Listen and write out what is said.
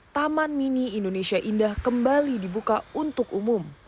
taman mini indonesia indah kembali dibuka untuk umum